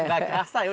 tidak kerasa ya